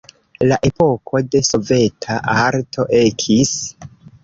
La epoko de soveta arto ekis.